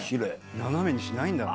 斜めにしないんだ。